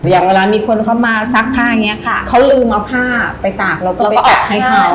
อย่างเวลามีคนเขามาซักผ้าอย่างนี้เขาลืมเอาผ้าไปตากแล้วก็ไปออกให้เขา